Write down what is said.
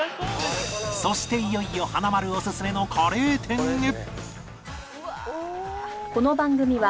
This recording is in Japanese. そしていよいよ華丸オススメのカレー店へ